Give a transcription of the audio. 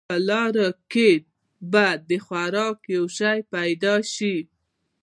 په لاره کې به د خوراک یو شی پیدا شي.